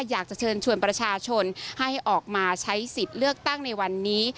อยากจะเชิญชวนประชาชนให้ออกมาใช้สิทธิ์เลือกตั้งในวันนี้